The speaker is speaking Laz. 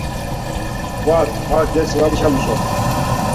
Var, ma dersi var viçalişam.